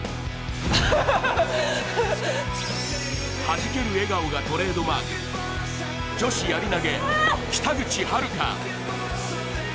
はじける笑顔がトレードマーク女子やり投、北口榛花。